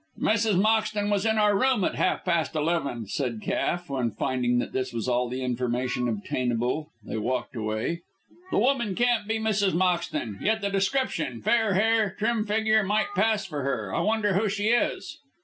"Mrs. Moxton was in our room at half past eleven," said Cass, when finding that this was all the information obtainable they walked away. "The woman can't be Mrs. Moxton. Yet the description, fair hair, trim figure, might pass for her. I wonder who she is?"